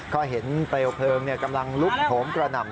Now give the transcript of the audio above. ก็เห็นเปลวเพลิงกำลังลุกโหมกระหน่ำ